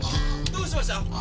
どうされました？